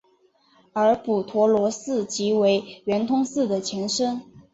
而补陀罗寺即为圆通寺的前身。